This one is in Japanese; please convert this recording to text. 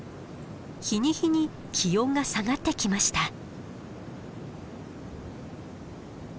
日に日に気温が下がってきました。